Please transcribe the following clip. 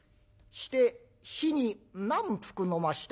して日に何服のました？